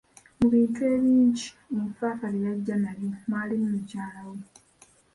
Mu bintu ebingi, enfaafa bye yajja nabyo, mwalimu mukyala we.